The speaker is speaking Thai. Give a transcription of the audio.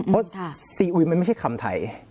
เพราะซีอุยมันไม่ใช่คำไทย